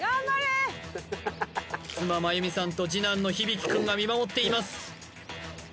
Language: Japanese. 妻真弓さんと次男の響己君が見守っています